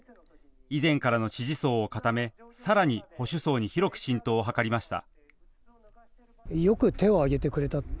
以前からの支持層を固め、さらに保守層に広く浸透を図りました。